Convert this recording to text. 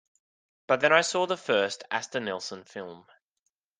But then I saw the first Asta Nielsen film.